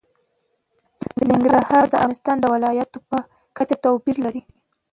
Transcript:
ننګرهار د افغانستان د ولایاتو په کچه توپیر لري.